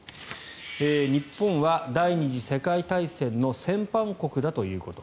日本は第２次世界大戦の戦犯国だということ